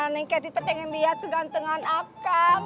neng kety pengen liat kegantengan akang